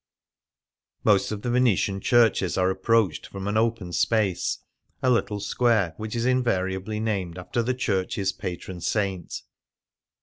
'' Most of the Venetian churches are approached from an open space — a little square which is invariably named after the church's patron saint.